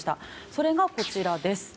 それがこちらです。